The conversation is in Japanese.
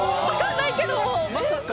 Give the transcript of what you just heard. まさか？